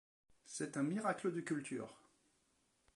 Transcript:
C'est un miracle de culture.